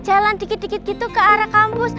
jalan dikit dikit gitu ke arah kampus